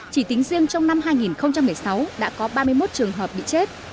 chỉ tính riêng trong năm hai nghìn một mươi sáu đã có ba mươi một trường hợp bị chết